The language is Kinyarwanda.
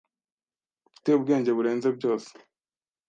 Ufite ubwenge burenze byose